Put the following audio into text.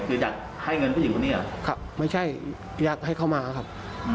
คืออยากให้เงินผู้หญิงคนนี้เหรอครับไม่ใช่อยากให้เขามาครับ